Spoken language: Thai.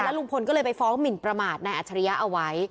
ลุงพลก็เลยไปฟ้องหมินประมาทนายอัจฉริยะเอาไว้